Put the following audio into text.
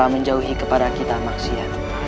menjauhi kepada kita maksiat